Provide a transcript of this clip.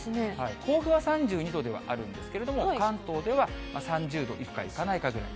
甲府は３２度ではあるんですけど、関東では３０度いくかいかないかぐらい。